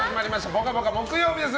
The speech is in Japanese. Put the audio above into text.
「ぽかぽか」木曜日です。